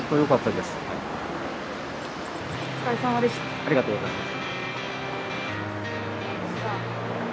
ありがとうございます。